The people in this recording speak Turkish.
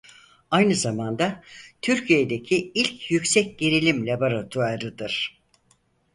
Aynı zamanda Türkiye'deki ilk yüksek gerilim laboratuvarıdır.